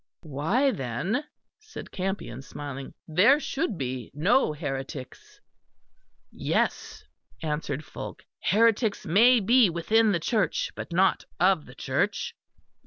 "Why, then," said Campion, smiling, "there should be no heretics." "Yes," answered Fulke, "heretics may be within the Church, but not of the Church."